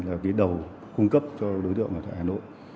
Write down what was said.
là cái đầu cung cấp cho đối tượng ở tại hà nội